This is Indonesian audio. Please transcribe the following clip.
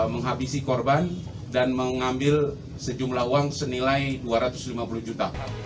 menghabisi korban dan mengambil sejumlah uang senilai dua ratus lima puluh juta